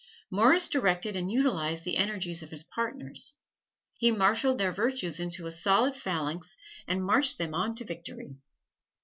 Morris directed and utilized the energies of his partners. He marshaled their virtues into a solid phalanx and marched them on to victory.